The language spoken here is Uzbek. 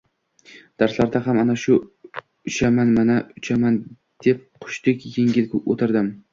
Darslarda ham ana uchaman-mana uchaman deb qushdek engil o`tirdim